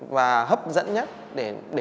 và hấp dẫn nhất để